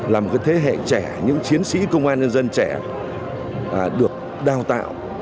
là một thế hệ trẻ những chiến sĩ công an nhân dân trẻ được đào tạo